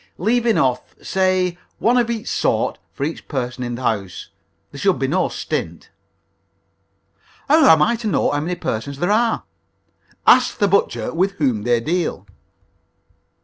Leave enough say one of each sort for each person in the house. There should be no stint." "How am I to know how many persons there are?" "Ask the butcher with whom they deal."